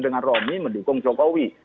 dengan romi mendukung jokowi